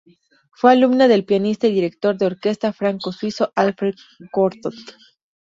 Fue alumna del pianista y director de orquesta franco-suizo Alfred Cortot.